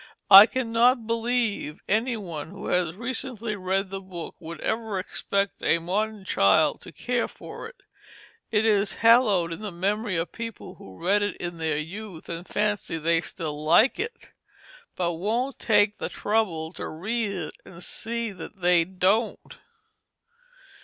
I cannot believe any one who has recently read the book would ever expect a modern child to care for it. It is haloed in the memory of people who read it in their youth and fancy they still like it, but won't take the trouble to read it and see that they don't.